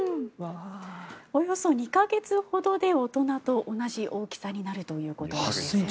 およそ２か月ほどで大人と同じ大きさになるということなんですね。